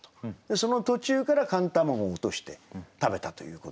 その途中から寒卵を落として食べたということです。